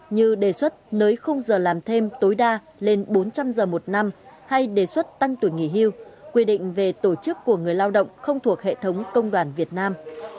như đề xuất nới khung giờ làm thêm tối đa lên bốn trăm linh giờ một năm hay đề xuất tăng tuổi nghỉ hưu quy định về tổ chức của người lao động không thuộc hệ thống công đoàn việt nam